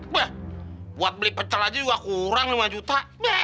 wah buat beli pecel aja juga kurang lima juta